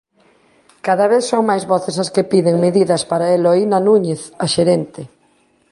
Cada vez son máis voces as que piden medidas para Eloína Núñez, a xerente.